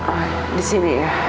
oh di sini ya